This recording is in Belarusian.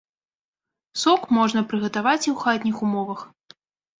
Сок можна прыгатаваць і ў хатніх умовах.